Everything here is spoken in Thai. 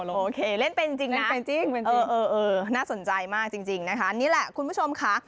โอเคเล่นเป็นจริงนะน่าสนใจมากจริงนะคะนี่แหละคุณผู้ชมค่ะ